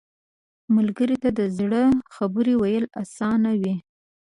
ملګری ته د زړه خبرې ویل اسانه وي